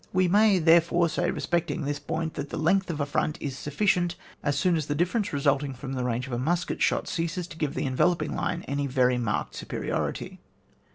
We may, therefore, say respect ing this point, that the length of front is sufficient as soon as the difference result ing from the range of a musket shot ceases to give the enveloping line any very marked superiority.